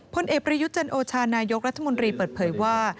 พลเอกประยุทธ์จันโอชานายกรัฐมนตรีเปิดเผยว่า